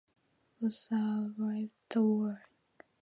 Both survived the war.